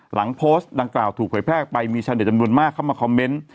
หลังโพสต์ดังกล่าวถูกเผยแพร่ออกไปมีชาวเน็ตจำนวนมากเข้ามาคอมเมนต์